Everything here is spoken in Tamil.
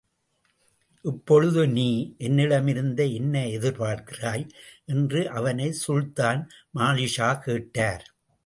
இப்பொழுது நீ என்னிடமிருந்து என்ன எதிர்பார்க்கிறாய்! என்று அவனை சுல்தான் மாலிக்ஷா கேட்டார்.